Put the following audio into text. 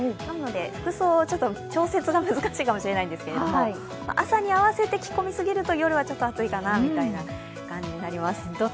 服装、調節が難しいかもしれないんですけれども、朝に合わせて着込みすぎると夜はちょっと暑いかなという感じになります。